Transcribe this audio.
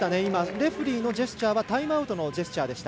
レフェリーのジェスチャーはタイムアウトのジェスチャー。